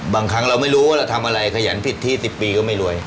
บางครั้งเราไม่รู้ว่าเราทำอะไรขยันผิดที่๑๐ปีก็ไม่รวย